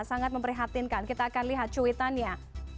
sangat memprihatinkan kita akan lihat cuitannya